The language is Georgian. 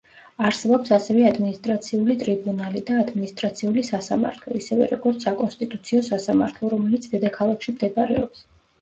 არსებობს ასევე ადმინისტრაციული ტრიბუნალი და ადმინისტრაციული სასამართლო, ისევე, როგორც საკონსტიტუციო სასამართლო, რომელიც დედაქალაქში მდებარეობს.